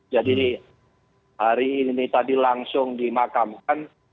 jadi hari ini tadi langsung dimakamkan